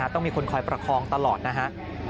ต้องมีคนคอยประคองตลอดนะฮะ